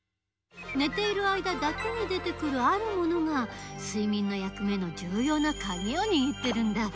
寝ている間だけに出てくるあるものが睡眠の役目のじゅうようなカギをにぎってるんだ。